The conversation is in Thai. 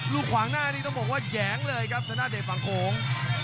ลูกขวางหน้านี่ต้องบอกว่าแหยงเลยครับท่านหน้าเด็กฟังโครง